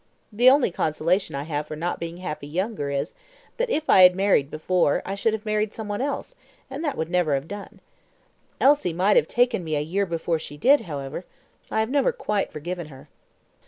The only consolation I have for not being happy younger is, that if I had married before I should have married some one else, and that would never have done. Elsie might have taken me a year before she did, however. I have never quite forgiven her."